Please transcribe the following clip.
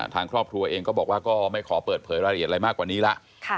ทางครอบครัวเองก็บอกว่าก็ไม่ขอเปิดเผยรายละเอียดอะไรมากกว่านี้แล้ว